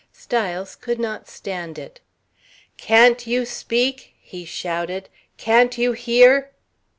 Styles could not stand it. "Can't you speak?" he shouted. "Can't you hear?"